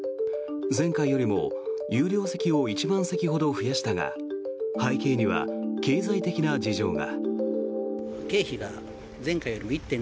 前回よりも有料席を１万席ほど増やしたが背景には経済的な事情が。